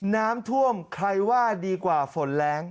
น้ำท่วมใครว่าดีกว่าฝนแรง